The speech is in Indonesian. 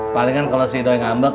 palingan kalau si idoi ngambek